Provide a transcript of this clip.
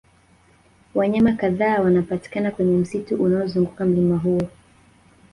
wanyama kadhaa wanapatikana kwenye msitu unaozunguka mlima huo